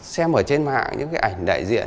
xem ở trên mạng những cái ảnh đại diện